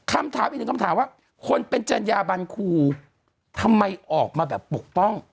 คำถามอีกหนึ่งคำถามว่าคนเป็นจัญญาบันครูทำไมออกมาแบบปกป้อง